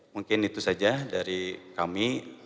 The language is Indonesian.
mungkin itu saja dari kami